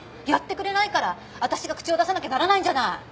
やってくれないからわたしが口を出さなきゃならないんじゃない。